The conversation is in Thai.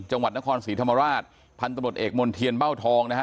จังหวัดนครศรีธรรมราชพันธบทเอกมณ์เทียนเบ้าทองนะฮะ